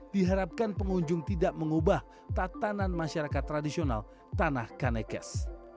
diharapkan pengunjung tidak mengubah tatanan masyarakat tradisional tanah kanekes